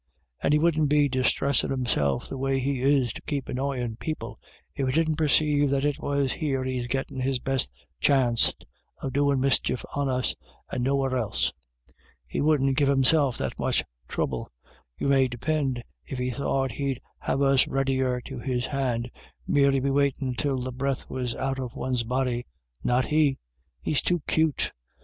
And he wouldn't be disthressin' himself the way he is to keep annoyin' people, if he didn't perceive that it was here he's gettin his best chanst of doin' mischief on us, and nowhere else. He wouldn't give himself that much throuble, you may depind, if he thought he'd have us readier to his hand, merely be waitin' till the breath was out of one's body — not he ; he's too cute.